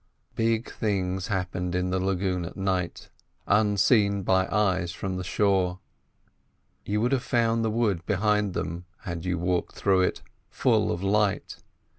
Big things happened in the lagoon at night, unseen by eyes from the shore. You would have found the wood behind them, had you walked through it, full of light.